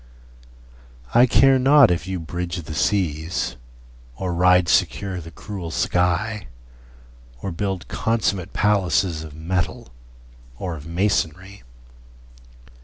I care not if you bridge the seas, Or ride secure the cruel sky, Or build consummate palaces Of metal or of masonry.